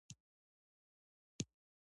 یوازې پنځه سلنه مقالې پکې خپریږي.